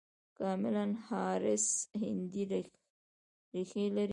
کاملا هاریس هندي ریښې لري.